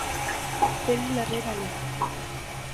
Fer el darrer alè.